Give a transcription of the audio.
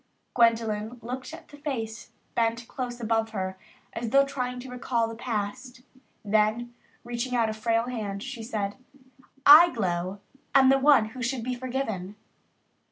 Gwendolyn looked at the face bent close above her as though trying to recall the past. Then, reaching out a frail hand, she said, "I, Glow, am the one who should be forgiven."